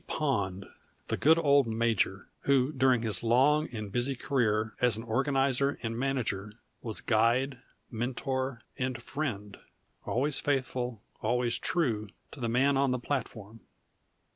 Pond the good old major, who during his long and busy career as an organizer and manager was guide, mentor, and friend, always faithful, always true, to the Man on the Platform.